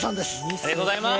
ありがとうございます！